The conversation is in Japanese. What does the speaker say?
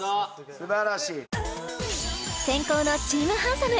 すばらしい先攻のチーム・ハンサム！